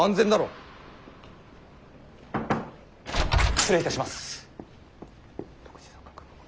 失礼いたします。